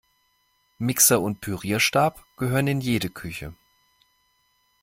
Mixer und Pürierstab gehören in jede Küche.